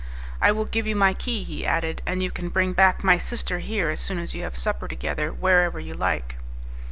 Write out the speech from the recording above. "I will give you my key," he added, "and you can bring back my sister here as soon as you have supper together wherever you like."